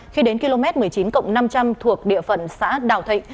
khi đến km một mươi chín cộng năm trăm linh thuộc địa phận xã đào thịnh